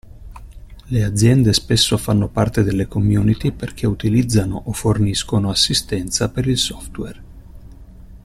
Le aziende spesso fanno parte delle community perché utilizzano o forniscono assistenza per il software.